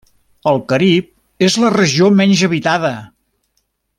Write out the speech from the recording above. El carib és la regió menys habitada.